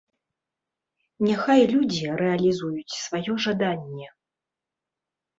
Няхай людзі рэалізуюць сваё жаданне.